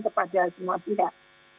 kepada semua pihak